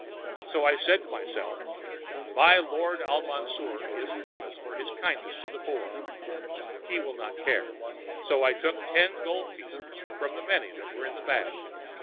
So I said to myself, 'My lord Al Mansour is famous for his kindness to the poor. He will not care.' So I took ten gold pieces from the many that were in the bag.